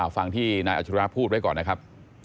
ฟังที่นายอัชริยะพูดไว้ก่อนนะครับ